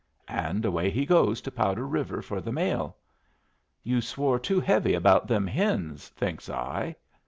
And away he goes to Powder River for the mail. 'You swore too heavy about them hens,' thinks I.